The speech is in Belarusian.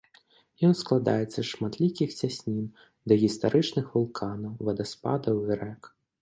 Ён складаецца з шматлікіх цяснін, дагістарычных вулканаў, вадаспадаў і рэк.